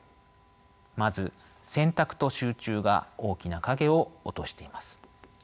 まず選択と集中が大きな影を落としています。